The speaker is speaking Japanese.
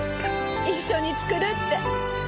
一緒に作るって。